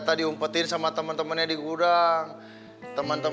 maybeh langsung kdanub ternyatastar kan sama mol